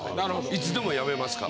いつでも辞めますから。